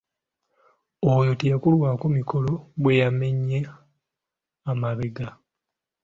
Oyo teyakolwako mikolo bwe yamenya amabega.